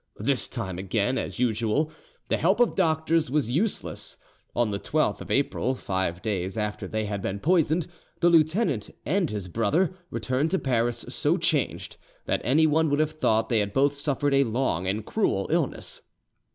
This time again, as usual, the help of doctors was useless. On the 12th of April, five days after they had been poisoned, the lieutenant and his brother returned to Paris so changed that anyone would have thought they had both suffered a long and cruel illness.